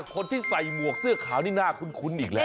คนที่ใส่หมวกเสื้อขาวนี่น่าคุ้นอีกแล้ว